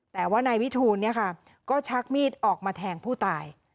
แต่ว่านายวิทูลก็ชักมีดออกมาแทงผู้ตาย